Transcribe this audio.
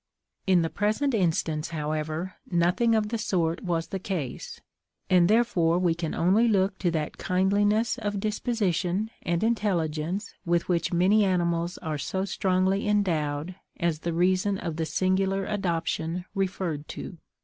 In the present instance, however, nothing of the sort was the case, and therefore we can only look to that kindliness of disposition and intelligence with which many animals are so strongly endowed as the reason of the singular adoption referred to.